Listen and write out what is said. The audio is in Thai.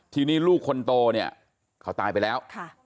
ทีนี้ลูกคนโตเนี่ยเขาตายไปแล้ว